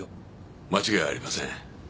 間違いありません。